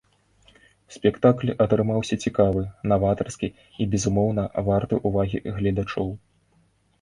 Спектакль атрымаўся цікавы, наватарскі і, безумоўна, варты ўвагі гледачоў.